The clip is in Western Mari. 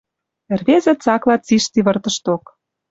Ӹрвезӹ цакла цишти выртышток.